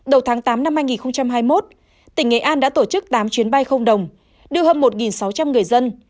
đầu tháng tám năm hai nghìn hai mươi một tỉnh nghệ an đã tổ chức tám chuyến bay không đồng đưa hơn một sáu trăm linh người dân